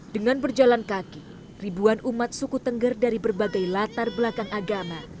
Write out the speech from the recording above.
dengan berjalan kaki ribuan umat suku tengger dari berbagai latar belakang agama